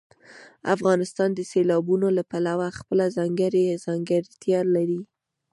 افغانستان د سیلابونو له پلوه خپله ځانګړې ځانګړتیا لري.